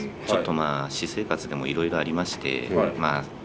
ちょっとまあ私生活でもいろいろありましてまあ